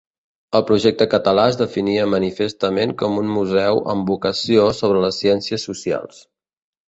El projecte català es definia manifestament com un museu amb vocació sobre les ciències socials.